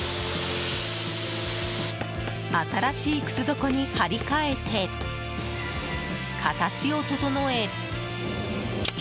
新しい靴底に張り替えて形を整え。